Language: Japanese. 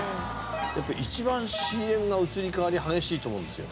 やっぱり一番ＣＭが移り変わり激しいと思うんですよ。